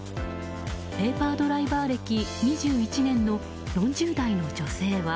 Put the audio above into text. ペーパードライバー歴２１年の４０代の女性は。